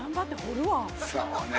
そうね。